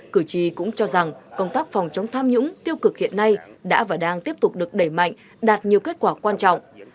cử tri cũng cho rằng công tác phòng chống tham nhũng tiêu cực hiện nay đã và đang tiếp tục được đẩy mạnh đạt nhiều kết quả quan trọng